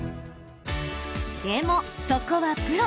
でも、そこはプロ。